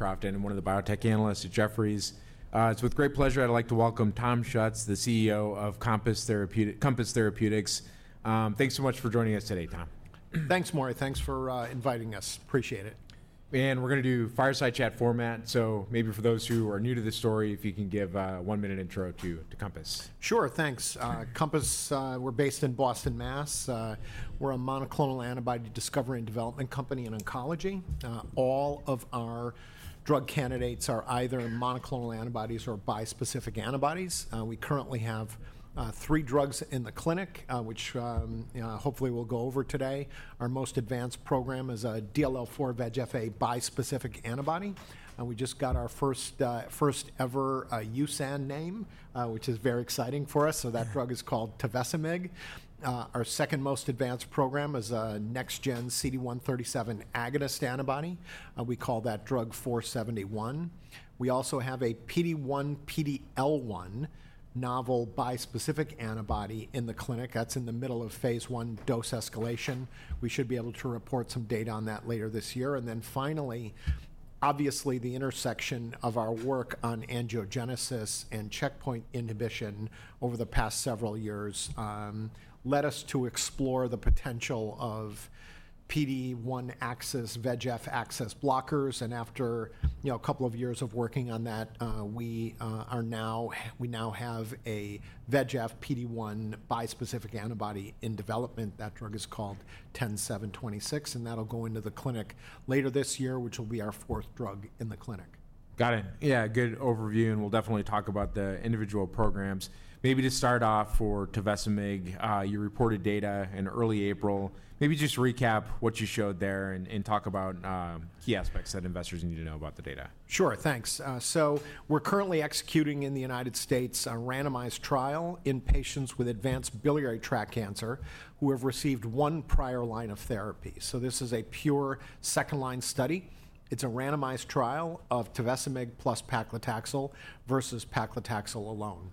Crofton, and one of the biotech analysts at Jefferies. It's with great pleasure I'd like to welcome Thomas Schuetz, the CEO of Compass Therapeutics. Thanks so much for joining us today, Tom. Thanks, Maury. Thanks for inviting us. Appreciate it. We're going to do fireside chat format, so maybe for those who are new to this story, if you can give a one-minute intro to Compass. Sure, thanks. Compass, we're based in Boston, Massachusetts. We're a monoclonal antibody discovery and development company in oncology. All of our drug candidates are either monoclonal antibodies or bispecific antibodies. We currently have three drugs in the clinic, which hopefully we'll go over today. Our most advanced program is a DLL4-VEGFA bispecific antibody. We just got our first ever USAN name, which is very exciting for us. So that drug is called Tevesemig. Our second most advanced program is a next-gen CD137 agonist antibody. We call that Drug 471. We also have a PD1-PDL1 novel bispecific antibody in the clinic. That's in the middle of phase one dose escalation. We should be able to report some data on that later this year. Finally, obviously the intersection of our work on angiogenesis and checkpoint inhibition over the past several years led us to explore the potential of PD1-axis VEGF-axis blockers. After a couple of years of working on that, we now have a VEGF PD1 bispecific antibody in development. That drug is called CTX-10726, and that'll go into the clinic later this year, which will be our fourth drug in the clinic. Got it. Yeah, good overview, and we'll definitely talk about the individual programs. Maybe to start off for Tevesemig, you reported data in early April. Maybe just recap what you showed there and talk about key aspects that investors need to know about the data. Sure, thanks. We're currently executing in the United States a randomized trial in patients with advanced biliary tract cancer who have received one prior line of therapy. This is a pure second-line study. It's a randomized trial of Tevesemig plus paclitaxel versus paclitaxel alone.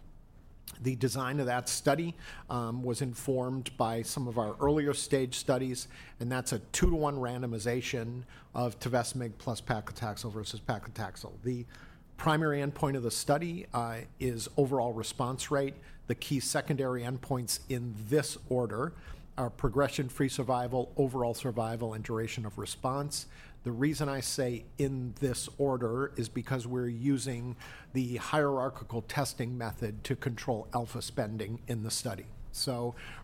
The design of that study was informed by some of our earlier stage studies, and that's a two-to-one randomization of Tevesemig plus paclitaxel versus paclitaxel. The primary endpoint of the study is overall response rate. The key secondary endpoints in this order are progression-free survival, overall survival, and duration of response. The reason I say in this order is because we're using the hierarchical testing method to control alpha spending in the study.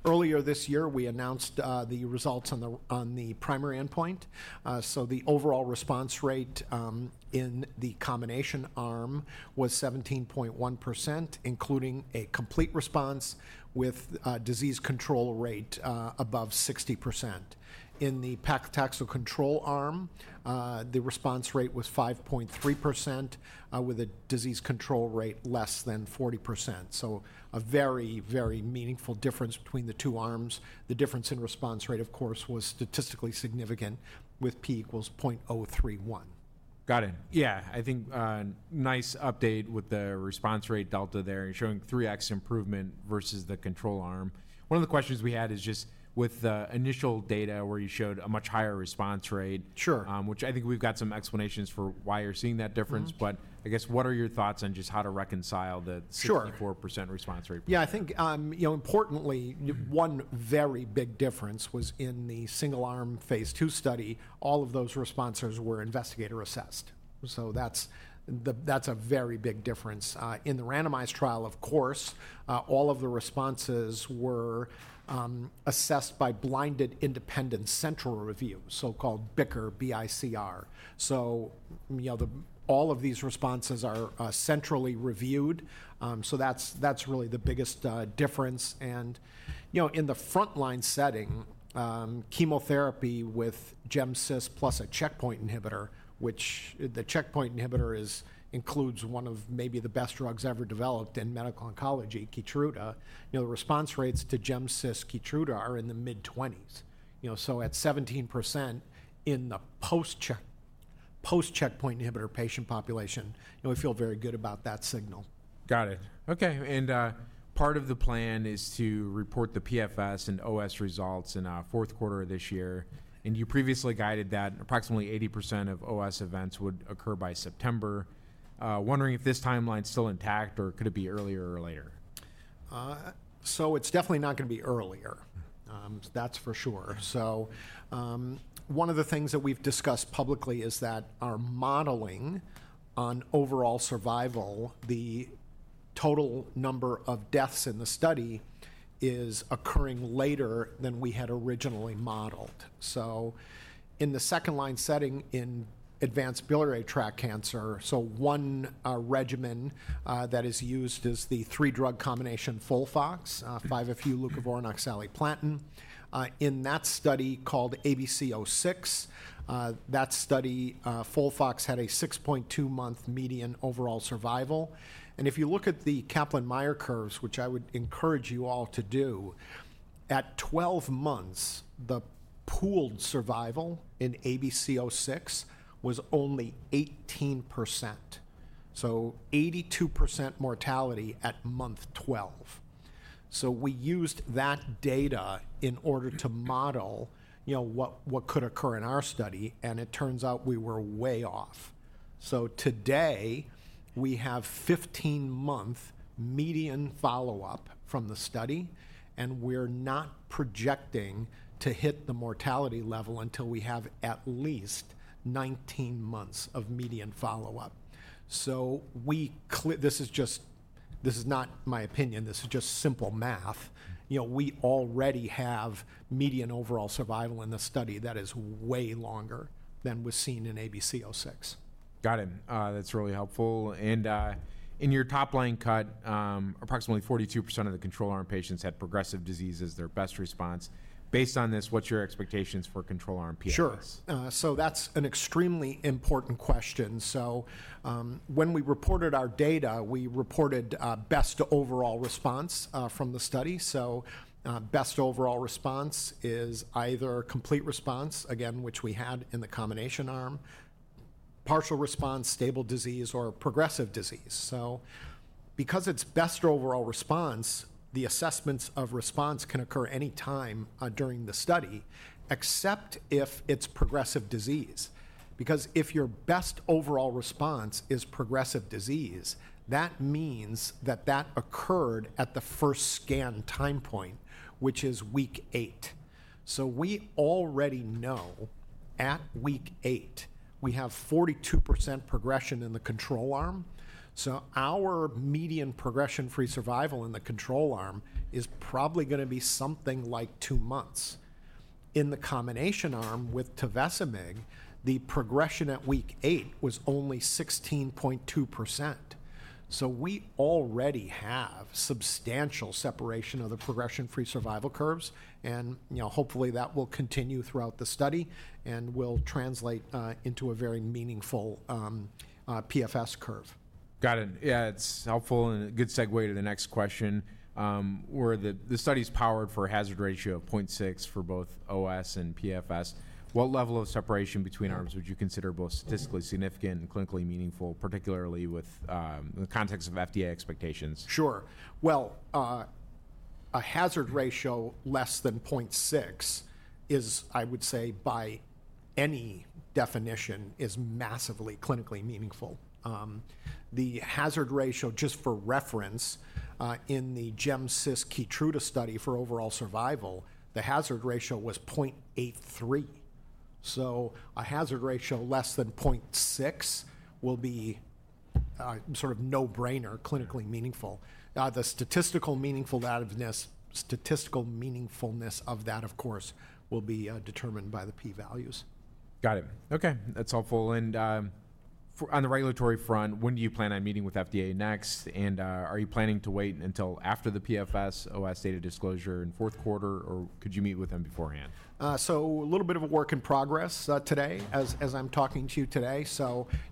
Earlier this year, we announced the results on the primary endpoint. The overall response rate in the combination arm was 17.1%, including a complete response with a disease control rate above 60%. In the paclitaxel control arm, the response rate was 5.3%, with a disease control rate less than 40%. A very, very meaningful difference between the two arms. The difference in response rate, of course, was statistically significant with p-equals 0.031. Got it. Yeah, I think nice update with the response rate delta there, showing 3X improvement versus the control arm. One of the questions we had is just with the initial data where you showed a much higher response rate, which I think we've got some explanations for why you're seeing that difference, but I guess what are your thoughts on just how to reconcile the 64% response rate? Sure. Yeah, I think importantly, one very big difference was in the single-arm phase two study. All of those responses were investigator assessed. That is a very big difference. In the randomized trial, of course, all of the responses were assessed by blinded independent central review, so-called BICR, B-I-C-R. All of these responses are centrally reviewed. That is really the biggest difference. In the frontline setting, chemotherapy with Gemcitabine plus a checkpoint inhibitor, which the checkpoint inhibitor includes one of maybe the best drugs ever developed in medical oncology, Keytruda, the response rates to Gemcitabine/Keytruda are in the mid-20s. At 17% in the post-checkpoint inhibitor patient population, we feel very good about that signal. Got it. Okay, and part of the plan is to report the PFS and OS results in the fourth quarter of this year. You previously guided that approximately 80% of OS events would occur by September. Wondering if this timeline is still intact or could it be earlier or later? It's definitely not going to be earlier. That's for sure. One of the things that we've discussed publicly is that our modeling on overall survival, the total number of deaths in the study, is occurring later than we had originally modeled. In the second-line setting in advanced biliary tract cancer, one regimen that is used is the three-drug combination FOLFOX, 5-FU, leucovorin, oxaliplatin. In that study called ABC-06, that study, FOLFOX had a 6.2-month median overall survival. If you look at the Kaplan-Meier curves, which I would encourage you all to do, at 12 months, the pooled survival in ABC-06 was only 18%. So 82% mortality at month 12. We used that data in order to model what could occur in our study, and it turns out we were way off. Today we have 15-month median follow-up from the study, and we're not projecting to hit the mortality level until we have at least 19 months of median follow-up. This is not my opinion. This is just simple math. We already have median overall survival in the study that is way longer than was seen in ABC-06. Got it. That's really helpful. In your top-line cut, approximately 42% of the control arm patients had progressive disease as their best response. Based on this, what's your expectations for control arm PFS? Sure. That's an extremely important question. When we reported our data, we reported best overall response from the study. Best overall response is either complete response, again, which we had in the combination arm, partial response, stable disease, or progressive disease. Because it's best overall response, the assessments of response can occur any time during the study, except if it's progressive disease. If your best overall response is progressive disease, that means that occurred at the first scan time point, which is week eight. We already know at week eight, we have 42% progression in the control arm. Our median progression-free survival in the control arm is probably going to be something like two months. In the combination arm with Tevesemig, the progression at week eight was only 16.2%. We already have substantial separation of the progression-free survival curves, and hopefully that will continue throughout the study and will translate into a very meaningful PFS curve. Got it. Yeah, it's helpful and a good segue to the next question. The study is powered for a hazard ratio of 0.6 for both OS and PFS. What level of separation between arms would you consider both statistically significant and clinically meaningful, particularly with the context of FDA expectations? Sure. A hazard ratio less than 0.6 is, I would say, by any definition, massively clinically meaningful. The hazard ratio, just for reference, in the Gemcitabine/Keytruda study for overall survival, the hazard ratio was 0.83. A hazard ratio less than 0.6 will be sort of no-brainer, clinically meaningful. The statistical meaningfulness of that, of course, will be determined by the p-values. Got it. Okay, that's helpful. On the regulatory front, when do you plan on meeting with FDA next? Are you planning to wait until after the PFS/OS data disclosure in the fourth quarter, or could you meet with them beforehand? A little bit of a work in progress today as I'm talking to you today.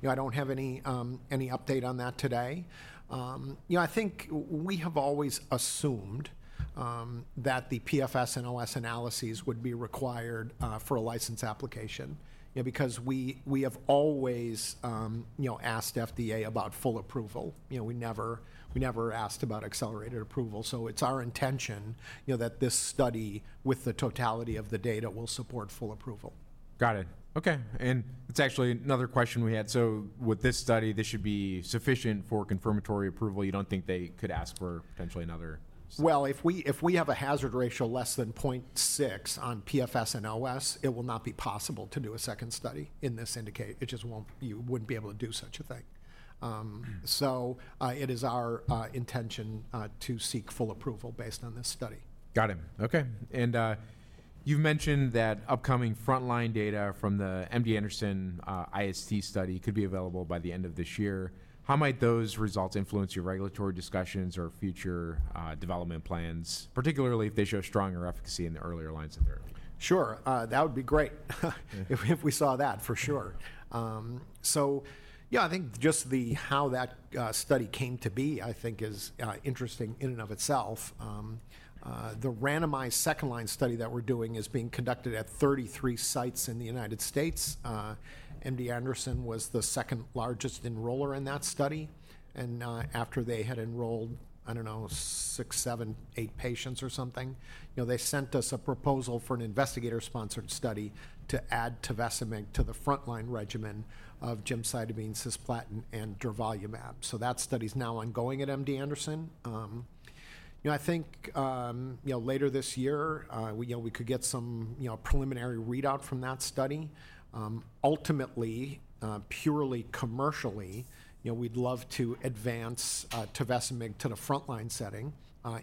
I don't have any update on that today. I think we have always assumed that the PFS and OS analyses would be required for a license application because we have always asked FDA about full approval. We never asked about accelerated approval. It's our intention that this study, with the totality of the data, will support full approval. Got it. Okay, and it's actually another question we had. With this study, this should be sufficient for confirmatory approval. You don't think they could ask for potentially another? If we have a hazard ratio less than 0.6 on PFS and OS, it will not be possible to do a second study in this indicator. You would not be able to do such a thing. It is our intention to seek full approval based on this study. Got it. Okay, and you've mentioned that upcoming frontline data from the MD Anderson IST study could be available by the end of this year. How might those results influence your regulatory discussions or future development plans, particularly if they show stronger efficacy in the earlier lines of therapy? Sure, that would be great if we saw that, for sure. Yeah, I think just how that study came to be, I think, is interesting in and of itself. The randomized second-line study that we're doing is being conducted at 33 sites in the United States. MD Anderson was the second largest enroller in that study. After they had enrolled, I don't know, six, seven, eight patients or something, they sent us a proposal for an investigator-sponsored study to add Tevesemig to the frontline regimen of gemcitabine, cisplatin, and durvalumab. That study is now ongoing at MD Anderson. I think later this year, we could get some preliminary readout from that study. Ultimately, purely commercially, we'd love to advance Tevesemig to the frontline setting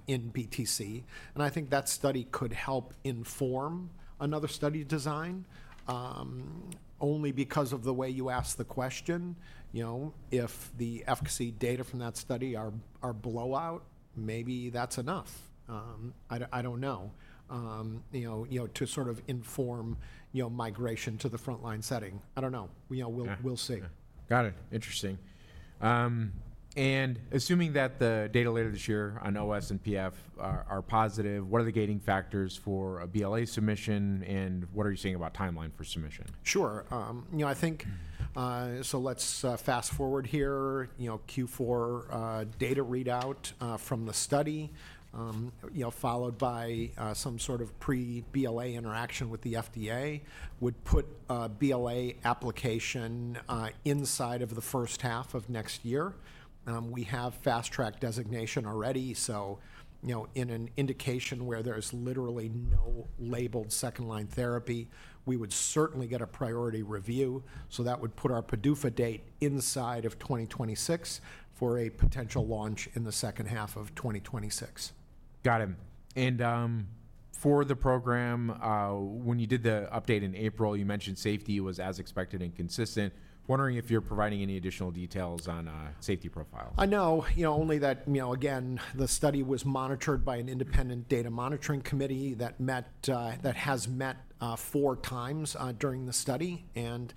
in BTC. I think that study could help inform another study design. Only because of the way you asked the question, if the efficacy data from that study are blowout, maybe that's enough. I don't know, to sort of inform migration to the frontline setting. I don't know. We'll see. Got it. Interesting. Assuming that the data later this year on OS and PFS are positive, what are the gating factors for a BLA submission, and what are you seeing about timeline for submission? Sure. I think so let's fast forward here. Q4 data readout from the study, followed by some sort of pre-BLA interaction with the FDA, would put BLA application inside of the first half of next year. We have fast-track designation already. In an indication where there's literally no labeled second-line therapy, we would certainly get a priority review. That would put our PDUFA date inside of 2026 for a potential launch in the second half of 2026. Got it. For the program, when you did the update in April, you mentioned safety was as expected and consistent. Wondering if you're providing any additional details on safety profile. I know only that, again, the study was monitored by an independent data monitoring committee that has met four times during the study and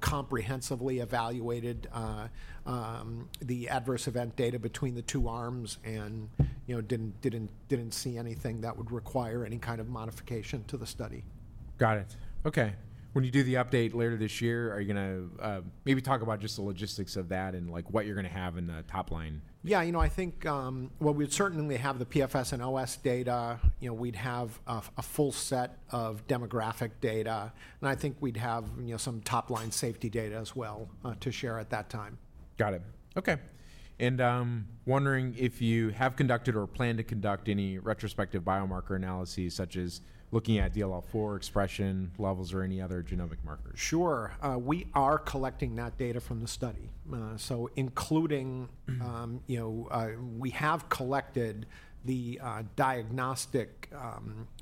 comprehensively evaluated the adverse event data between the two arms and did not see anything that would require any kind of modification to the study. Got it. Okay, when you do the update later this year, are you going to maybe talk about just the logistics of that and what you're going to have in the top line? Yeah, I think we'd certainly have the PFS and OS data. We'd have a full set of demographic data. I think we'd have some top-line safety data as well to share at that time. Got it. Okay, and wondering if you have conducted or plan to conduct any retrospective biomarker analyses, such as looking at DLL4 expression levels or any other genomic markers. Sure. We are collecting that data from the study. Including, we have collected the diagnostic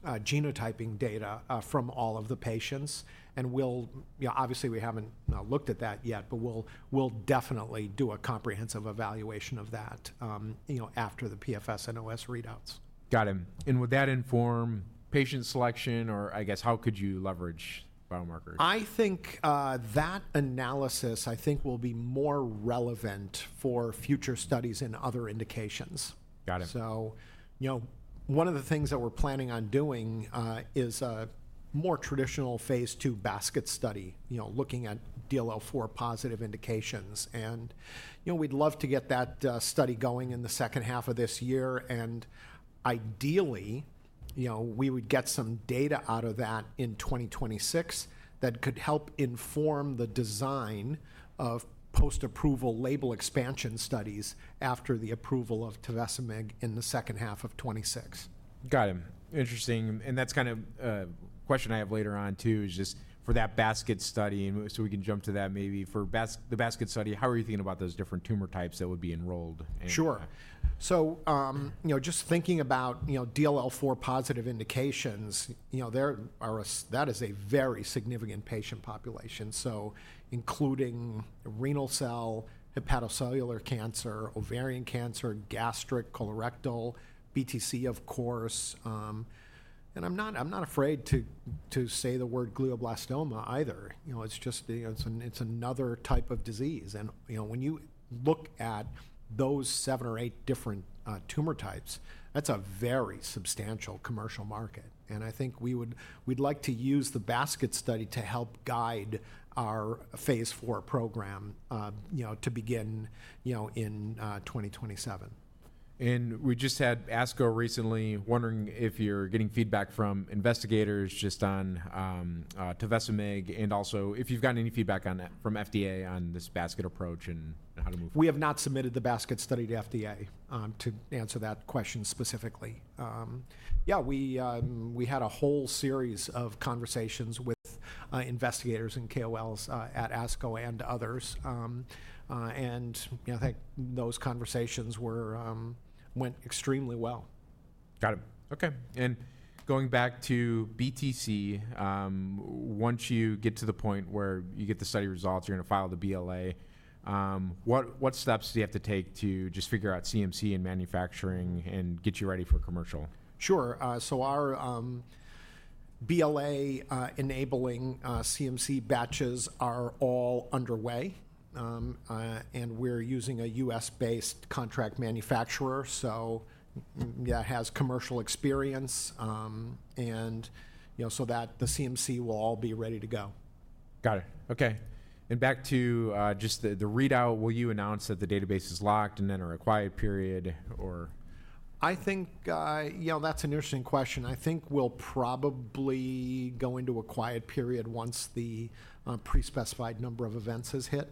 genotyping data from all of the patients. Obviously, we have not looked at that yet, but we will definitely do a comprehensive evaluation of that after the PFS and OS readouts. Got it. Would that inform patient selection or, I guess, how could you leverage biomarkers? I think that analysis, I think, will be more relevant for future studies in other indications. One of the things that we're planning on doing is a more traditional phase two basket study, looking at DLL4 positive indications. We'd love to get that study going in the second half of this year. Ideally, we would get some data out of that in 2026 that could help inform the design of post-approval label expansion studies after the approval of Tevesemig in the second half of 2026. Got it. Interesting. That is kind of a question I have later on too, just for that basket study. We can jump to that. Maybe for the basket study, how are you thinking about those different tumor types that would be enrolled? Sure. Just thinking about DLL4 positive indications, that is a very significant patient population. Including renal cell, hepatocellular cancer, ovarian cancer, gastric, colorectal, BTC, of course. I'm not afraid to say the word glioblastoma either. It's just another type of disease. When you look at those seven or eight different tumor types, that's a very substantial commercial market. I think we'd like to use the basket study to help guide our phase IV program to begin in 2027. We just had ASCO recently, wondering if you're getting feedback from investigators just on Tevesemig and also if you've gotten any feedback from FDA on this basket approach and how to move forward. We have not submitted the basket study to FDA to answer that question specifically. Yeah, we had a whole series of conversations with investigators and KOLs at ASCO and others. I think those conversations went extremely well. Got it. Okay, and going back to BTC, once you get to the point where you get the study results, you're going to file the BLA. What steps do you have to take to just figure out CMC and manufacturing and get you ready for commercial? Sure. Our BLA enabling CMC batches are all underway. We're using a U.S.-based contract manufacturer. It has commercial experience. The CMC will all be ready to go. Got it. Okay, and back to just the readout, will you announce that the database is locked and then a required period, or? I think that's an interesting question. I think we'll probably go into a quiet period once the pre-specified number of events has hit,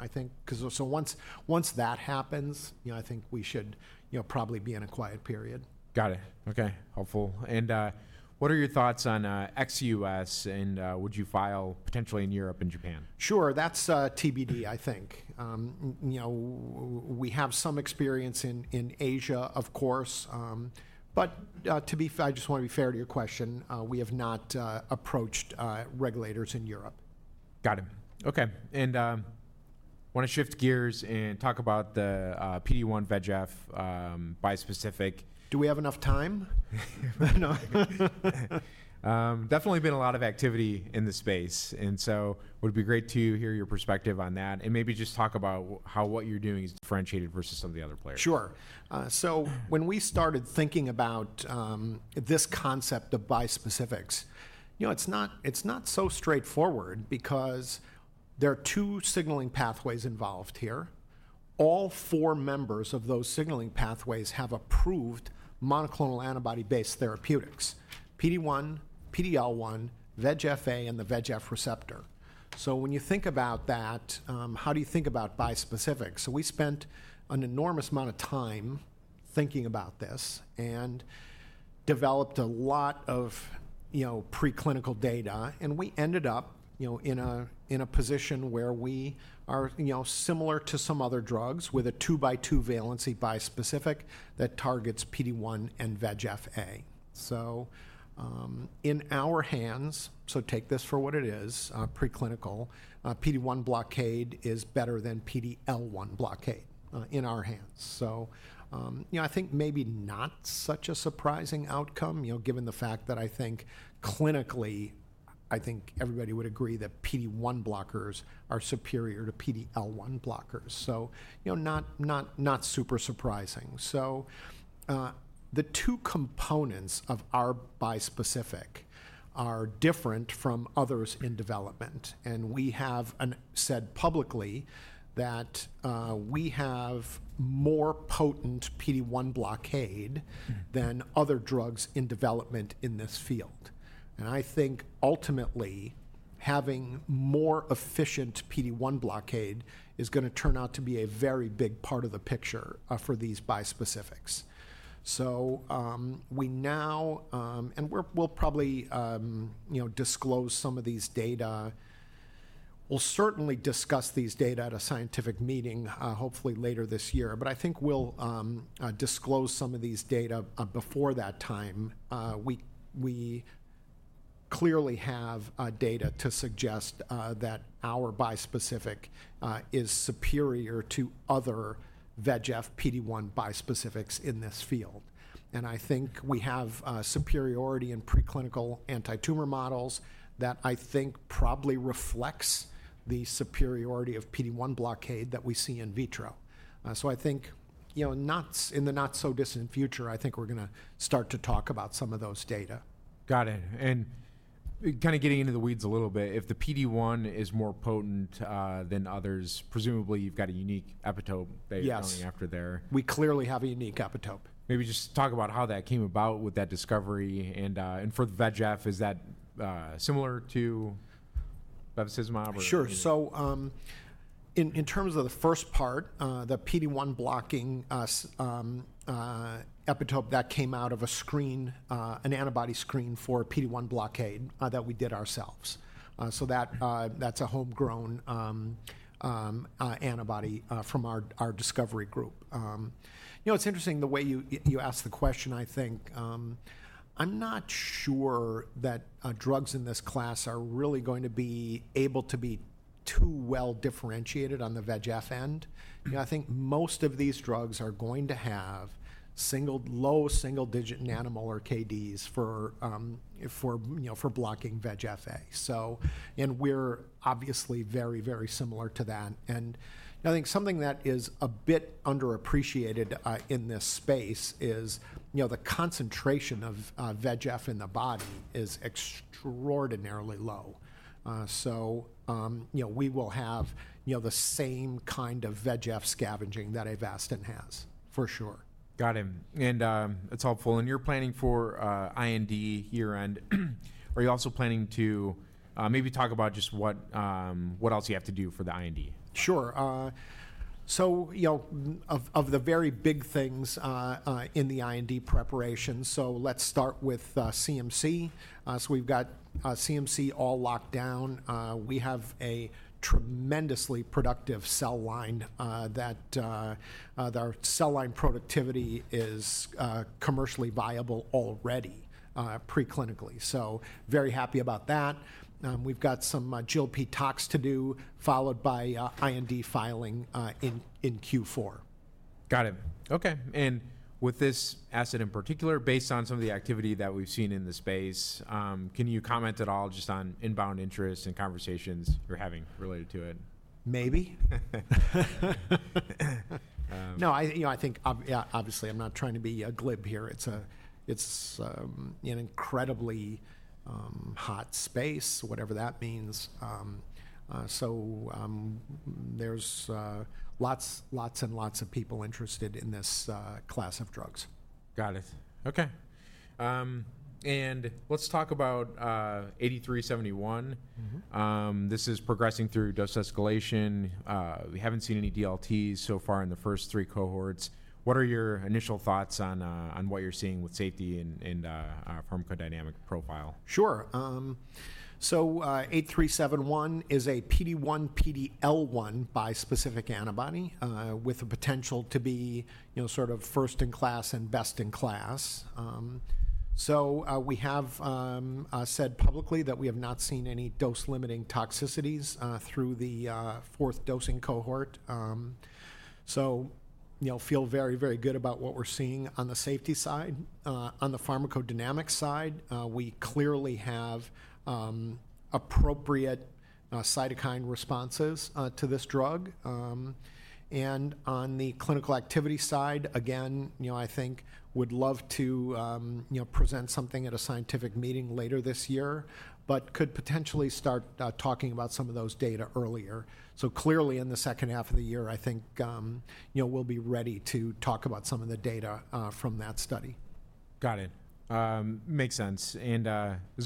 I think. Once that happens, I think we should probably be in a quiet period. Got it. Okay, helpful. What are your thoughts on ex-U.S., and would you file potentially in Europe and Japan? Sure, that's TBD, I think. We have some experience in Asia, of course. To be fair, I just want to be fair to your question. We have not approached regulators in Europe. Got it. Okay, and want to shift gears and talk about the PD1 VEGF bispecific. Do we have enough time? No. Definitely been a lot of activity in the space. It would be great to hear your perspective on that and maybe just talk about how what you're doing is differentiated versus some of the other players. Sure. When we started thinking about this concept of bispecifics, it's not so straightforward because there are two signaling pathways involved here. All four members of those signaling pathways have approved monoclonal antibody-based therapeutics: PD1, PDL1, VEGF-A, and the VEGF receptor. When you think about that, how do you think about bispecifics? We spent an enormous amount of time thinking about this and developed a lot of preclinical data. We ended up in a position where we are similar to some other drugs with a two-by-two valency bispecific that targets PD1 and VEGF-A. In our hands, so take this for what it is, preclinical, PD1 blockade is better than PDL1 blockade in our hands. I think maybe not such a surprising outcome given the fact that I think clinically, I think everybody would agree that PD1 blockers are superior to PDL1 blockers. Not super surprising. The two components of our bispecific are different from others in development. We have said publicly that we have more potent PD1 blockade than other drugs in development in this field. I think ultimately, having more efficient PD1 blockade is going to turn out to be a very big part of the picture for these bispecifics. We now, and we'll probably disclose some of these data. We'll certainly discuss these data at a scientific meeting, hopefully later this year. I think we'll disclose some of these data before that time. We clearly have data to suggest that our bispecific is superior to other VEGF PD1 bispecifics in this field. I think we have superiority in preclinical anti-tumor models that I think probably reflects the superiority of PD1 blockade that we see in vitro. I think in the not-so-distant future, I think we're going to start to talk about some of those data. Got it. Kind of getting into the weeds a little bit, if the PD-1 is more potent than others, presumably you've got a unique epitope going after there. Yes, we clearly have a unique epitope. Maybe just talk about how that came about with that discovery. For the VEGF, is that similar to bevacizumab or? Sure. In terms of the first part, the PD1 blocking epitope that came out of a screen, an antibody screen for PD1 blockade that we did ourselves. That is a homegrown antibody from our discovery group. It is interesting the way you asked the question, I think. I am not sure that drugs in this class are really going to be able to be too well differentiated on the VEGF end. I think most of these drugs are going to have low single-digit nanomolar KDs for blocking VEGF-A. We are obviously very, very similar to that. I think something that is a bit underappreciated in this space is the concentration of VEGF in the body is extraordinarily low. We will have the same kind of VEGF scavenging that Avastin has, for sure. Got it. It is helpful. You are planning for IND year-end. Are you also planning to maybe talk about just what else you have to do for the IND? Sure. Of the very big things in the IND preparation, let's start with CMC. We've got CMC all locked down. We have a tremendously productive cell line that our cell line productivity is commercially viable already preclinically. Very happy about that. We've got some GLP tox to do, followed by IND filing in Q4. Got it. Okay, and with this asset in particular, based on some of the activity that we've seen in the space, can you comment at all just on inbound interest and conversations you're having related to it? Maybe. No, I think, yeah, obviously, I'm not trying to be glib here. It's an incredibly hot space, whatever that means. There are lots and lots of people interested in this class of drugs. Got it. Okay, and let's talk about 8371. This is progressing through dose escalation. We haven't seen any DLTs so far in the first three cohorts. What are your initial thoughts on what you're seeing with safety and pharmacodynamic profile? Sure. 8371 is a PD1, PDL1 bispecific antibody with a potential to be sort of first in class and best in class. We have said publicly that we have not seen any dose-limiting toxicities through the fourth dosing cohort. I feel very, very good about what we're seeing on the safety side. On the pharmacodynamic side, we clearly have appropriate cytokine responses to this drug. On the clinical activity side, again, I think would love to present something at a scientific meeting later this year, but could potentially start talking about some of those data earlier. Clearly in the second half of the year, I think we'll be ready to talk about some of the data from that study. Got it. Makes sense. Is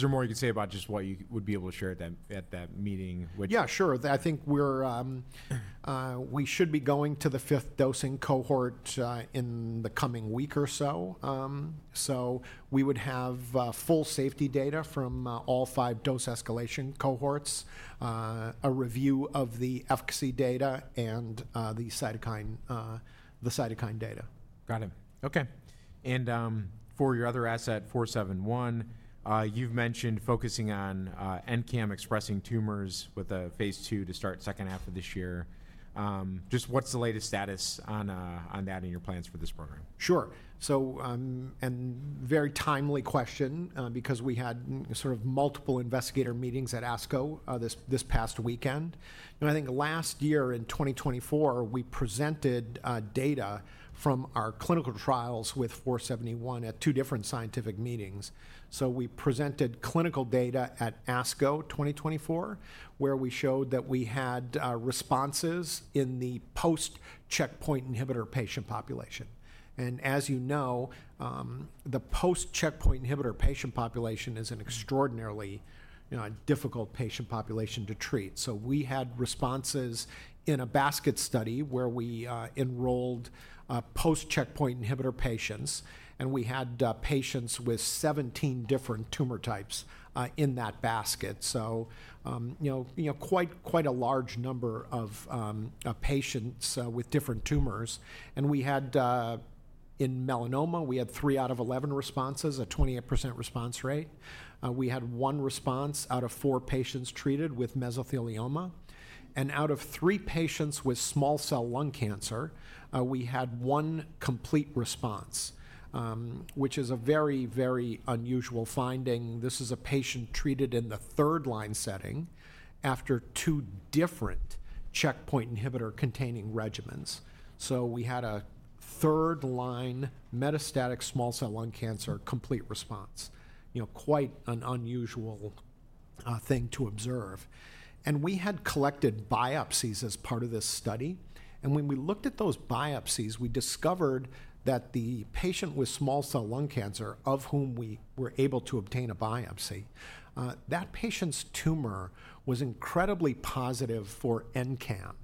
there more you could say about just what you would be able to share at that meeting? Yeah, sure. I think we should be going to the fifth dosing cohort in the coming week or so. We would have full safety data from all five dose escalation cohorts, a review of the efficacy data, and the cytokine data. Got it. Okay, and for your other asset, 471, you've mentioned focusing on NCAM expressing tumors with a phase two to start second half of this year. Just what's the latest status on that and your plans for this program? Sure. A very timely question because we had sort of multiple investigator meetings at ASCO this past weekend. I think last year in 2024, we presented data from our clinical trials with 471 at two different scientific meetings. We presented clinical data at ASCO 2024, where we showed that we had responses in the post-checkpoint inhibitor patient population. As you know, the post-checkpoint inhibitor patient population is an extraordinarily difficult patient population to treat. We had responses in a basket study where we enrolled post-checkpoint inhibitor patients. We had patients with 17 different tumor types in that basket. Quite a large number of patients with different tumors. In melanoma, we had three out of 11 responses, a 28% response rate. We had one response out of four patients treated with mesothelioma. Out of three patients with small cell lung cancer, we had one complete response, which is a very, very unusual finding. This is a patient treated in the third line setting after two different checkpoint inhibitor-containing regimens. We had a third line metastatic small cell lung cancer complete response. Quite an unusual thing to observe. We had collected biopsies as part of this study. When we looked at those biopsies, we discovered that the patient with small cell lung cancer, of whom we were able to obtain a biopsy, that patient's tumor was incredibly positive for NCAM,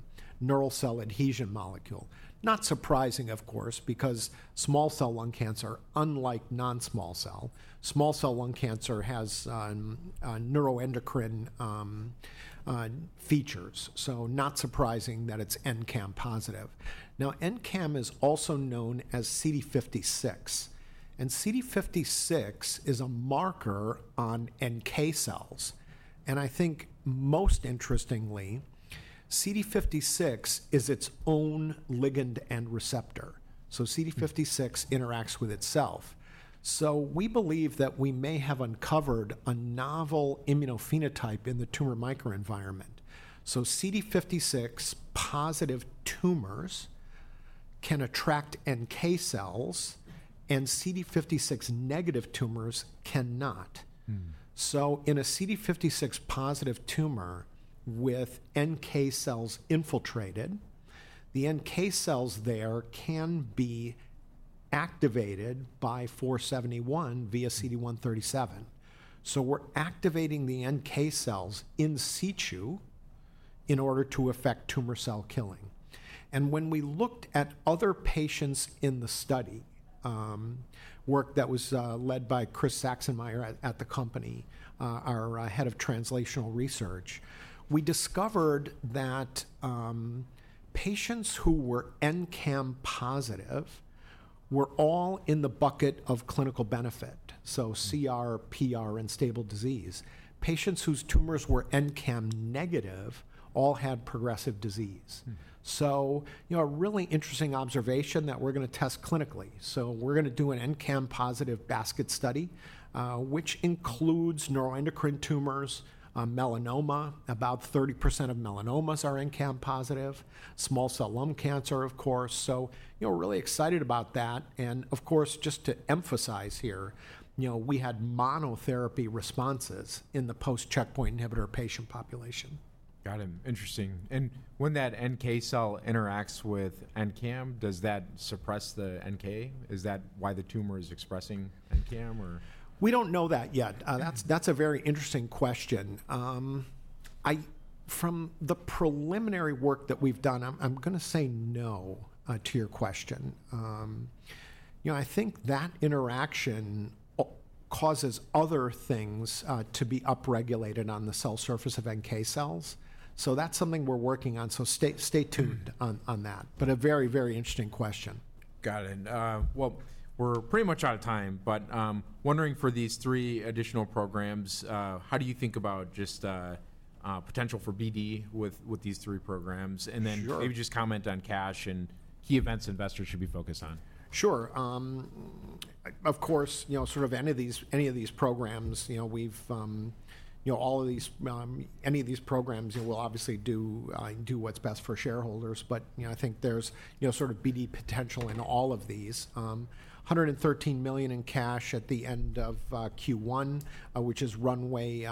neural cell adhesion molecule. Not surprising, of course, because small cell lung cancer, unlike non-small cell, small cell lung cancer has neuroendocrine features. Not surprising that it's NCAM positive. NCAM is also known as CD56. CD56 is a marker on NK cells. I think most interestingly, CD56 is its own ligand and receptor. CD56 interacts with itself. We believe that we may have uncovered a novel immunophenotype in the tumor microenvironment. CD56 positive tumors can attract NK cells, and CD56 negative tumors cannot. In a CD56 positive tumor with NK cells infiltrated, the NK cells there can be activated by 471 via CD137. We are activating the NK cells in situ in order to affect tumor cell killing. When we looked at other patients in the study work that was led by Chris Saxenmeier at the company, our Head of Translational Research, we discovered that patients who were NCAM positive were all in the bucket of clinical benefit, so CR, PR, and stable disease. Patients whose tumors were NCAM negative all had progressive disease. A really interesting observation that we are going to test clinically. We're going to do an NCAM positive basket study, which includes neuroendocrine tumors, melanoma. About 30% of melanomas are NCAM positive. Small cell lung cancer, of course. Really excited about that. Of course, just to emphasize here, we had monotherapy responses in the post-checkpoint inhibitor patient population. Got it. Interesting. And when that NK cell interacts with NCAM, does that suppress the NK? Is that why the tumor is expressing NCAM, or? We don't know that yet. That's a very interesting question. From the preliminary work that we've done, I'm going to say no to your question. I think that interaction causes other things to be upregulated on the cell surface of NK cells. That is something we're working on. Stay tuned on that. A very, very interesting question. Got it. We're pretty much out of time, but wondering for these three additional programs, how do you think about just potential for BD with these three programs? Maybe just comment on cash and key events investors should be focused on. Sure. Of course, sort of any of these programs, all of these, any of these programs will obviously do what's best for shareholders. I think there's sort of BD potential in all of these. $113 million in cash at the end of Q1, which is runway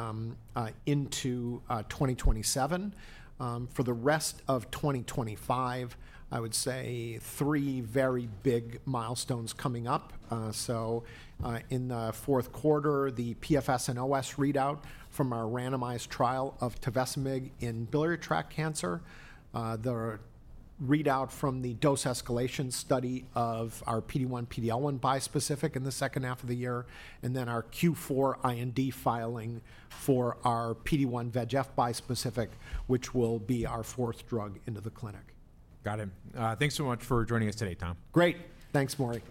into 2027. For the rest of 2025, I would say three very big milestones coming up. In the fourth quarter, the PFS/OS readout from our randomized trial of tevesemig in biliary tract cancer. The readout from the dose escalation study of our PD-1, PD-L1 bispecific in the second half of the year. Our Q4 IND filing for our PD-1 VEGF bispecific, which will be our fourth drug into the clinic. Got it. Thanks so much for joining us today, Tom. Great. Thanks, Maury.